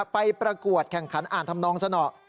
ประกวดแข่งขันอ่านทำนองสนอ